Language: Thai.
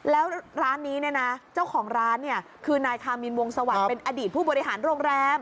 แล้วร้านนี้เนี่ยนะเจ้าของร้านเนี่ยคือนายคามินวงสวัสดิ์เป็นอดีตผู้บริหารโรงแรม